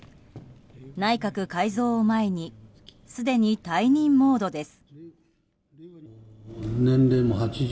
内閣改造を前にすでに退任モードです。